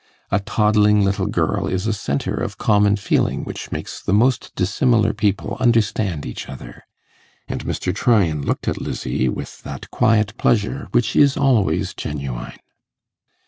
A toddling little girl is a centre of common feeling which makes the most dissimilar people understand each other; and Mr. Tryan looked at Lizzie with that quiet pleasure which is always genuine.